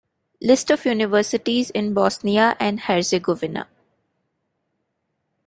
List of universities in Bosnia and Herzegovina